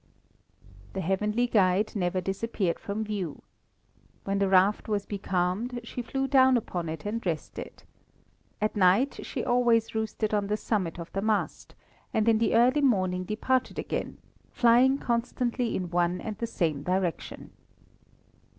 The heavenly guide never disappeared from view. When the raft was becalmed, she flew down upon it and rested. At night she always roosted on the summit of the mast, and in the early morning departed again, flying constantly in one and the same direction.